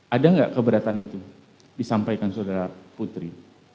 ada nggak keberatan itu disampaikan saudara putri